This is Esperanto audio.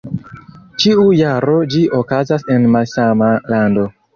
Ĉiu jaro ĝi okazas en malsama lando.